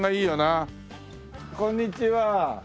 こんにちは。